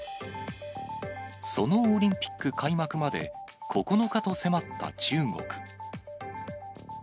そのオリンピック開幕まで９日と迫った中国。